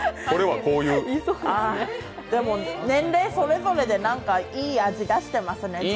これはこういう年齢それぞれで、なんかいい味出してますね。